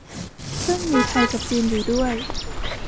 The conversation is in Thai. ซึ่งมีไทยกับจีนอยู่ด้วย